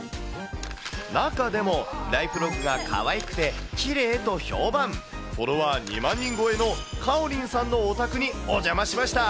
中でもライフログがかわいくてきれいと評判、フォロワー２万人超えの、かおりんさんのお宅にお邪魔しました。